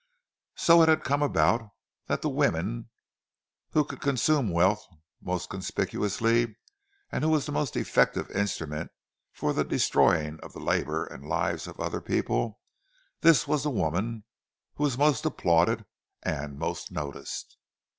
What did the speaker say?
So it had come about that the woman who could consume wealth most conspicuously—who was the most effective instrument for the destroying of the labour and the lives of other people—this was the woman who was most applauded and most noticed.